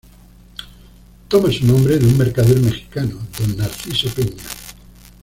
Toma su nombre de un mercader mexicano, don Narciso Peña.